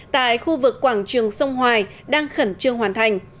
tại khu vực quảng trường sông hoài đang khẩn trương hoàn thành